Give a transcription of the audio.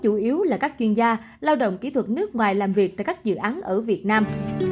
chủ yếu là các chuyên gia lao động kỹ thuật nước ngoài làm việc tại các dự án ở việt nam